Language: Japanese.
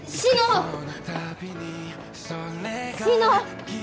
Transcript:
志乃！